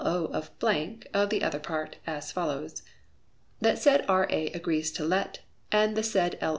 O., of , of the other part, as follows: That the said R.A. agrees to let, and the said L.